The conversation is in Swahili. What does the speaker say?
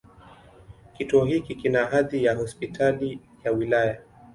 Kituo hiki kina hadhi ya Hospitali ya wilaya.